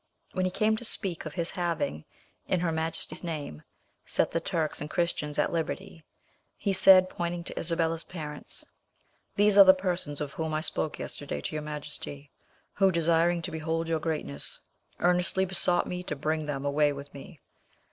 When he came to speak of his having, in her majesty's name, set the Turks and Christians at liberty, he said, pointing to Isabella's parents, "These are the persons of whom I spoke yesterday to your majesty, who, desiring to behold your greatness, earnestly besought me to bring them away with me.